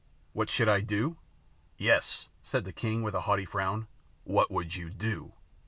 "What should I do?" "Yes," said the king, with a haughty frown. "What would you do?"